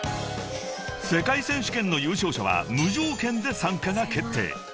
［世界選手権の優勝者は無条件で参加が決定］